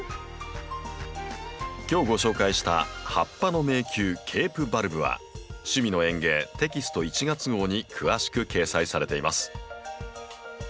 今日ご紹介した「葉っぱの迷宮ケープバルブ」は「趣味の園芸」テキスト１月号に詳しく掲載されています。